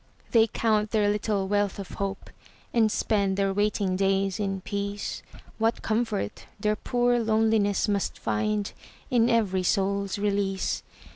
They count their little wealth of hope And spend their waiting days in peace, What comfort their poor loneliness Must find in every soul's release!